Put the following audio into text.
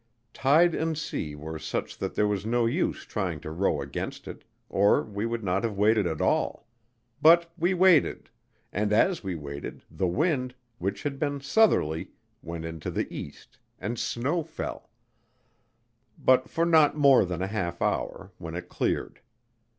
Tide and sea were such that there was no use trying to row against it, or we would not have waited at all; but we waited, and as we waited the wind, which had been southerly, went into the east and snow fell; but for not more than a half hour, when it cleared.